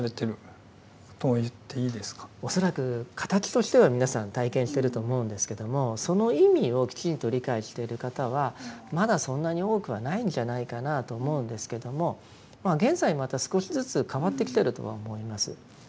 恐らく形としては皆さん体験してると思うんですけどもその意味をきちんと理解している方はまだそんなに多くはないんじゃないかなと思うんですけども現在また少しずつ変わってきてるとは思います。